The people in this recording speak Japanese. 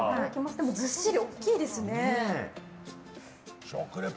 ずっしり大きいですね。